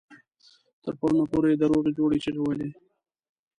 تر پرونه پورې د روغې جوړې چيغې وهلې.